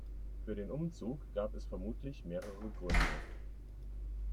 Für den Umzug gab es vermutlich mehrere Gründe.